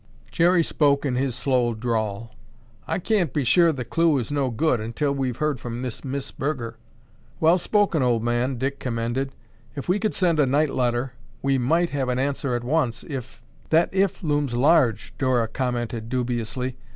Jerry spoke in his slow drawl. "I cain't be sure the clue is no good until we've heard from this Miss Burger." "Well spoken, old man," Dick commended. "If we could send a night letter, we might have an answer at once, if—" "That 'if' looms large," Dora commented dubiously.